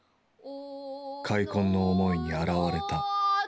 悔恨の思いに洗われた。